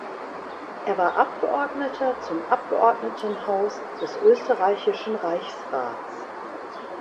Er war Abgeordneter zum Abgeordnetenhaus des Österreichischen Reichsrats.